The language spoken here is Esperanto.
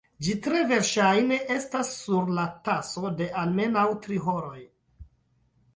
Ĝi tre verŝajne estas sur la taso de almenaŭ tri horoj.